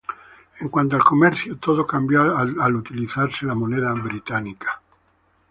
En cuanto al comercio, todo cambió al utilizarse la moneda británica.